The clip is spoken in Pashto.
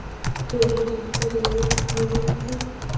د حجرې سایتوپلازم مایع ماده ده